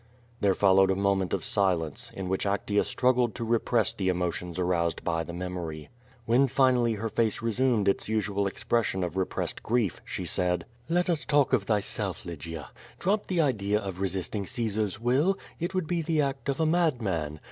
There followed a moment of silence, in which Actea strug gled to repress the emotions aroused by the memory. When finally her face resumed its usual expression of repressed grief, she said: "Let us talk of thyself, Lygia. Drop the idea of resisting Caesar's will. It would be the act of a madman.